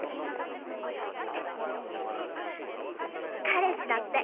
彼氏だって。